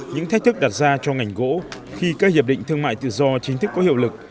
những thách thức đặt ra cho ngành gỗ khi các hiệp định thương mại tự do chính thức có hiệu lực